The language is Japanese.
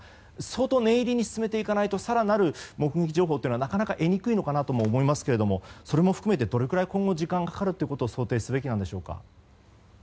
相当念入りに進めないと更なる目撃情報というのはなかなか得にくいのかなと思いますがそれも含めてどれくらい今後、時間がかかるかと想定すべきなんでしょうか。